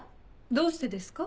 どうしてですか？